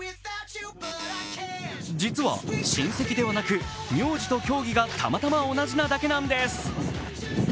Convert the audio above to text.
実は親戚ではなく、名字と競技がたまたま同じなだけなんです。